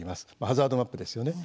ハザードマップですよね。